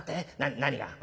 何が？